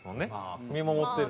見守ってる。